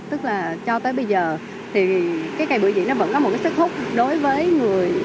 tức là cho tới bây giờ thì cái cây bựa diễn nó vẫn có một sức hút đối với người